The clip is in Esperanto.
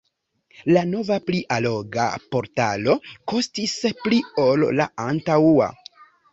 La nova pli alloga portalo kostis pli ol la antaŭa.